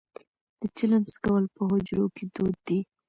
د چلم څکول په حجرو کې دود دی.